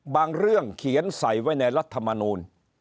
เรื่องเขียนใส่ไว้ในรัฐมนูล